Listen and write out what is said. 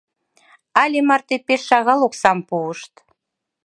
Але марте пеш шагал оксам пуышт.